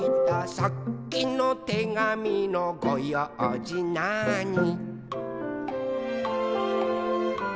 「さっきのてがみのごようじなーに」